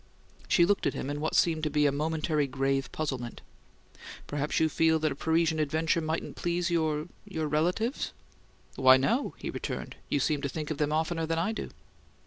She looked at him in what seemed to be a momentary grave puzzlement. "Perhaps you feel that a Parisian adventure mightn't please your your relatives?" "Why, no," he returned. "You seem to think of them oftener than I do."